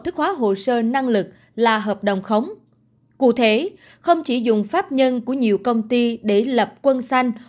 cụ thể không chỉ dùng pháp nhân của nhiều công ty để lập quân xanh